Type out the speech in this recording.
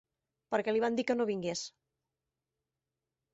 Perquè li van dir que no vingués.